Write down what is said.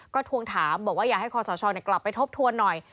ก็ทวงถามบอกว่าอยากให้คอสชกลับไปทบทวนหน่อย